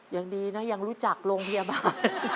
ยังดีนะยังรู้จักโรงพยาบาล